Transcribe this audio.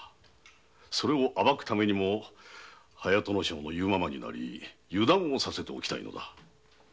それをあばくためにも隼人正の言うままになり油断をさせておきたいのだ。